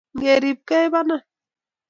ngeripkei panan